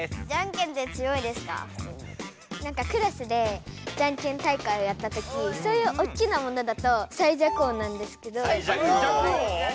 クラスでじゃんけん大会をやったときそういうおっきなものだと最弱王なんですけど。